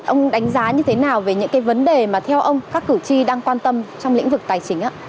ông đánh giá như thế nào về những cái vấn đề mà theo ông các cử tri đang quan tâm trong lĩnh vực tài chính